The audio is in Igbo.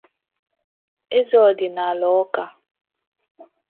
eze ọdịnala Awka